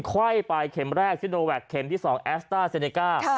ค่อยปลายเข็มแรกซิโนแวคเข็มที่สองแอสตาร์เซเนก้า